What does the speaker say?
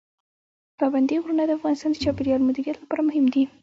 پابندي غرونه د افغانستان د چاپیریال مدیریت لپاره مهم دي.